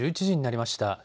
１１時になりました。